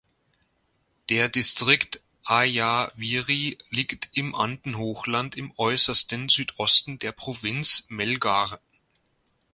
Der Distrikt Ayaviri liegt im Andenhochland im äußersten Südosten der Provinz Melgar.